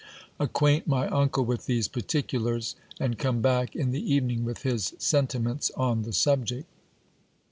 Acquaint my uncle with these particulars, and come back in the evening with his sentiments on the subject.